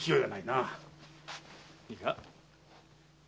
いいか？